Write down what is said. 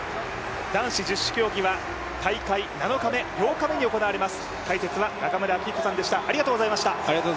男子十種競技は大会７日目、８日目に行われます。